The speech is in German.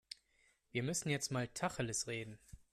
Wir müssen jetzt mal Tacheles reden.